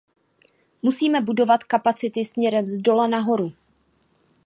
Musíme budovat kapacity směrem zdola nahoru.